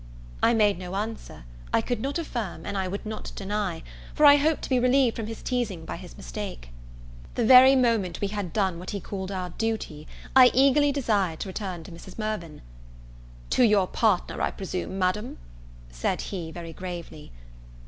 I made no answer; I could not affirm, and I would not deny: for I hoped to be relieved from his teasing by his mistake. The very moment we had done what he called our duty, I eagerly desired to return to Mrs. Mirvan. "To your partner, I presume, Madam?" said he, very gravely.